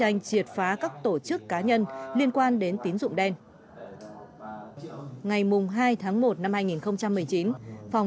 anh khất lỡ nhiều lần